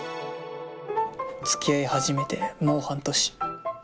つきあい始めてもう半年。